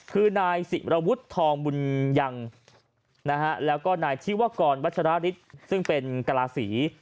คือนายศิรวุฒิทองบุญยังแล้วก็นายธิวกรวัชราฤทธิ์ซึ่งเป็นกราศี